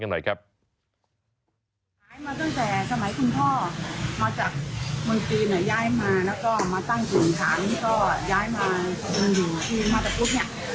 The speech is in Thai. คือแบบว่าเป็นชื่อร้านชื่อร้านที่มีเท่าชื่อร้านธรรมดา